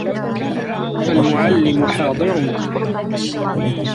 الْمُعَلِّمُ حاضِرٌ.